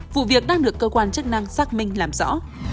vụ việc đang được cơ quan chức năng xác minh làm rõ